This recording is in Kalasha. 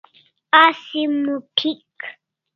Asi moth'ik